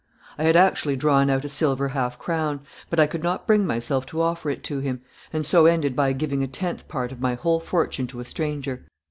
I had actually drawn out a silver half crown, but I could not bring myself to offer it to him, and so ended by giving a tenth part of my whole fortune to a stranger.